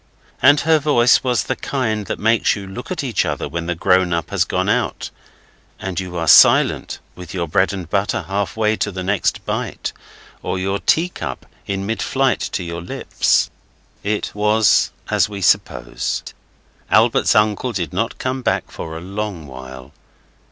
And her voice was the kind that makes you look at each other when the grown up has gone out, and you are silent, with your bread and butter halfway to the next bite, or your teacup in mid flight to your lips. It was as we suppose. Albert's uncle did not come back for a long while.